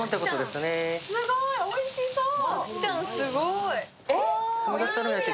すごい、おいしそう！